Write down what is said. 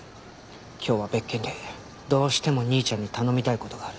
今日は別件でどうしても兄ちゃんに頼みたい事がある。